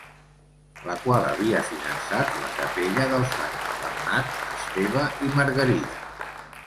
La qual havia finançat la Capella dels sants Bernat, Esteve i Margarida.